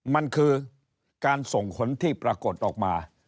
มันคือการส่งผลที่ปรากฏออกมา